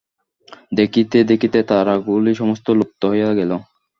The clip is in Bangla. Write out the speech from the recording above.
দেখিতে দেখিতে তারাগুলি সমস্ত লুপ্ত হইয়া গেল।